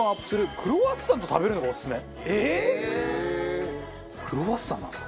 クロワッサンなんですか？